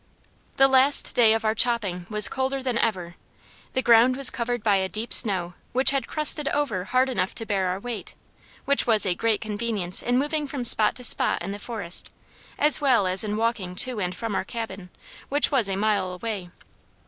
The last day of our chopping was colder than ever. The ground was covered by a deep snow which had crusted over hard enough to bear our weight, which was a great convenience in moving from spot to spot in the forest, as well as in walking to and from our cabin, which was a mile away.